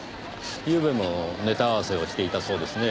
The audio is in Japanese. ゆうべもネタ合わせをしていたそうですねぇ。